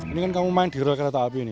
ini kan kamu main di roll kereta api ini